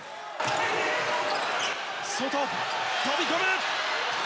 外、飛び込む！